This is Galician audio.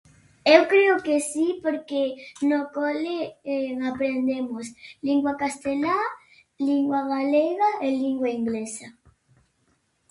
Eu creo que si porque no cole aprendemos lingua castelá, lingua galega e lingua inglesa.